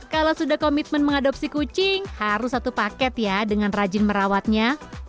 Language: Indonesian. kalau sudah komitmen mengadopsi kucing harus satu paket ya dengan rajin merawatnya